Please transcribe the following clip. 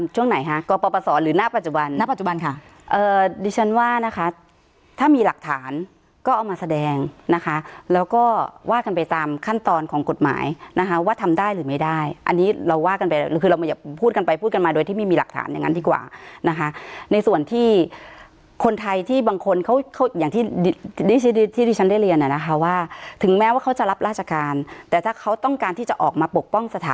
ช่วงไหนฮะกรปศหรือหน้าปัจจุบันหน้าปัจจุบันค่ะเอ่อดิฉันว่านะคะถ้ามีหลักฐานก็เอามาแสดงนะคะแล้วก็วาดกันไปตามขั้นตอนของกฎหมายนะคะว่าทำได้หรือไม่ได้อันนี้เราวาดกันไปหรือคือเราไม่อยากพูดกันไปพูดกันมาโดยที่มีมีหลักฐานอย่างงั้นดีกว่านะคะในส่วนที่คนไทยที่บางคนเขาเขาอย่างท